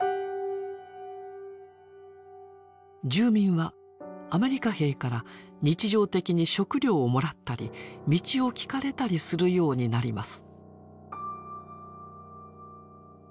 住民はアメリカ兵から日常的に食料をもらったり道を聞かれたりするようになります。